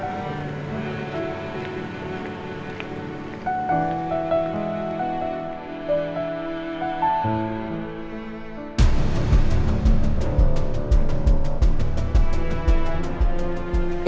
lagi bicara dengan welsa